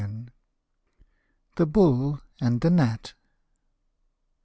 THE BULL AND THE GNAT.